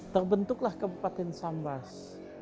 terbentuklah kabupaten sambas